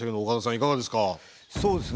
いかがですか？